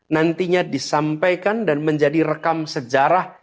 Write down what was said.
nantinya disampaikan dan menjadi rekam sejarah